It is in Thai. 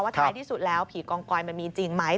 ท้ายที่สุดแล้วผีกองกอยมันมีจริงไหม